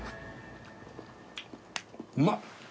うまっ！